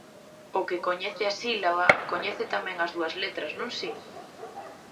O que coñece a sílaba, coñece tamén as dúas letras non si?